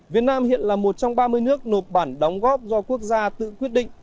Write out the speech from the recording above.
việt nam hiện là một trong ba mươi nước nộp bản đóng góp do quốc gia tự quyết định